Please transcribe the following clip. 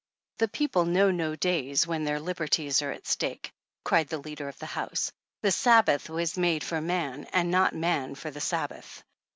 " The people know no days when their liberties 44 are at stake," cried the leader of the House. " The Sabbath was made for man ahd not man for the Sabbath."